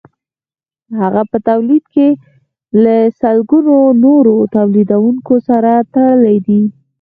هغه په تولید کې له سلګونو نورو تولیدونکو سره تړلی دی